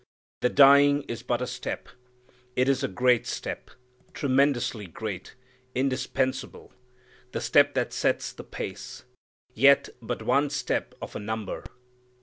The dying is but a step. It is a great step, tremendously great, indispensable, the step that sets the pace. Yet but one step of a number.